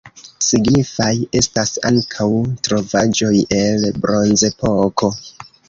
Signifaj estas ankaŭ trovaĵoj el bronzepoko.